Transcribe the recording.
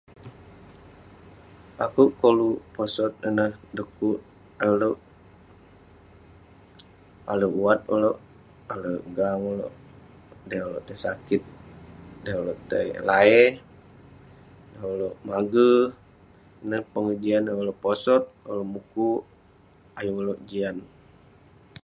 Akouk koluk posot ineh dukuk ulouk alek wat ulouk, alek gang ulouk, dey ulouk tai sakit, dey ulouk tai la'e, dey ulouk mage, ineh pengejian neh ulouk posot, ulouk mukuk..ayuk ulouk jian.